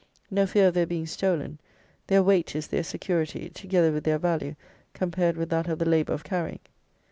No fear of their being stolen: their weight is their security, together with their value compared with that of the labour of carrying.